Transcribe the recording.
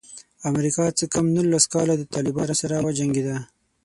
امریکا څه کم نولس کاله له طالبانو سره وجنګېده.